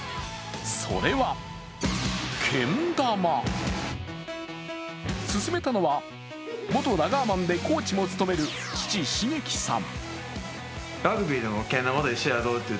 それは勧めたのは、元ラガーマンでコーチも務める父・茂樹さん。